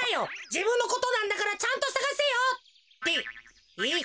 じぶんのことなんだからちゃんとさがせよ！ってえっ？